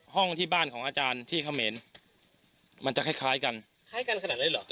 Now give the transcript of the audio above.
ห้องที่บ้านของอาจารย์ที่เขมรมันจะคล้ายคล้ายกันคล้ายกันขนาดนั้นเหรอ